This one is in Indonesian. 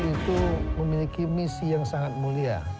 itu memiliki misi yang sangat mulia